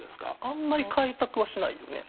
あんまり開拓はしないよね？